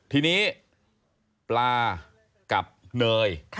ทีนี้ปลากับเนย